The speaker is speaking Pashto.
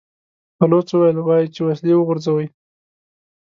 بلوڅ وويل: وايي چې وسلې وغورځوئ!